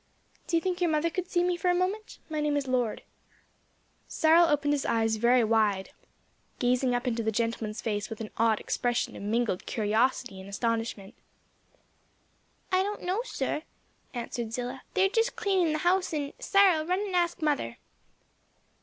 "Do you think your mother could see me for a moment? My name is Lord." Cyril opened his eyes very wide; gazing up into the gentleman's face with an odd expression of mingled curiosity and astonishment. "I don't know, sir;" answered Zillah, "they're just cleaning the house and Cyril, run and ask mother."